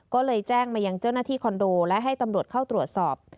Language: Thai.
ก็เลยแจ้งมายังเจ้าหน้าที่คอนโดและให้ตำรวจเข้าตรวจสอบ